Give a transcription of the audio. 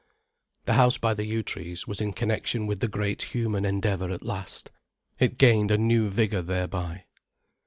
The house by the yew trees was in connection with the great human endeavour at last. It gained a new vigour thereby.